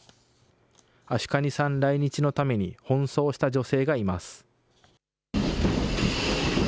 アシュカニさん来日のために、奔走した女性がいます。